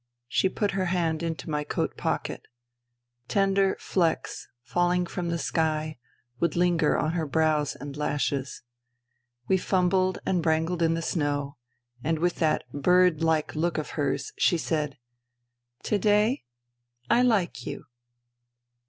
She put her hand into my coat pocket. Tender flecks, falling from the sky, would linger on her brows and lashes. We fumbled and wrangled in the snow ; and, with that bird like look of hers, she said, " To day ... I like you."